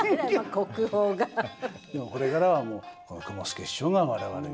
でもこれからはもう雲助師匠が我々にね。